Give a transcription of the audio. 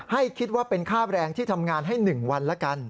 ให้คิดว่าเป็นค่าแรงที่ทำงานให้๑วันละกัน